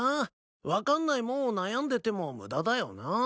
分かんないもんを悩んでても無駄だよな。